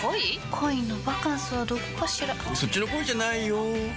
恋のバカンスはどこかしらそっちの恋じゃないよ